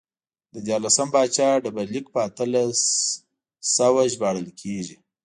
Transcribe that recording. د دیارلسم پاچا ډبرلیک په اتلس سوی ژباړل کېږي